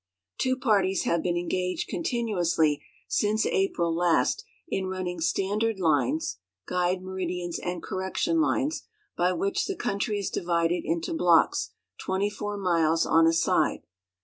Two parties have been engaged continuously since April last in running standard lines (guide meridians and correction lines) b}' which the country is divided into blocks twenty four miles on a side.